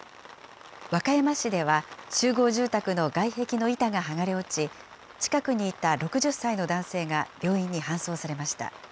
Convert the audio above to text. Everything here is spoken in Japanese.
和歌山市では集合住宅の外壁の板が剥がれ落ち、近くにいた６０歳の男性が病院に搬送されました。